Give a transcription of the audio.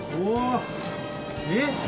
うわえっ？